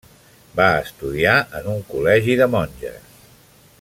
Va estudiar en un col·legi de monges.